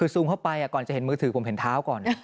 ท่ายพอไปก่อนจะเห็นมือถือก็จะเห็นเท้าก่อน